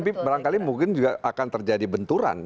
tapi barangkali mungkin juga akan terjadi benturan